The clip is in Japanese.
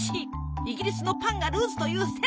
イギリスのパンがルーツという説も！